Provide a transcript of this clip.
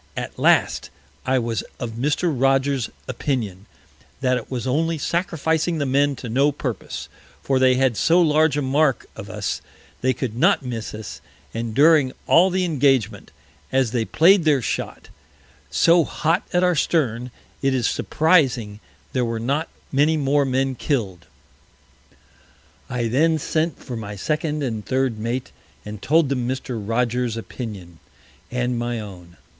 At last I was of Mr. Rogers's Opinion, that it was only sacrificing the Men to no Purpose; for they had so large a Mark of us, they could not miss us; and during all the Engagement, as they play'd their Shot so hot at our Stern, it is surprizing there were not many more Men Kill'd. I then sent for my Second and Third Mate, and told them Mr. Rogers's Opinion and my own.